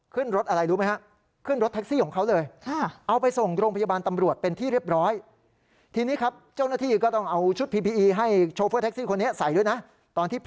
ขึ้นรถอะไรรู้ไหมฮะขึ้นรถแท็กซี่ของเขาเลย